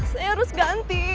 saya harus ganti